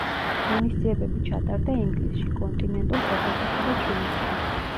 ღონისძიებები ჩატარდა ინგლისში, კონტინენტურ ევროპასა და ჩინეთში.